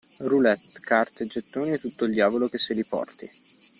Roulette, carte, gettoni e tutto il diavolo che se li porti!